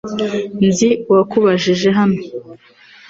Nzi uwakubajije hano .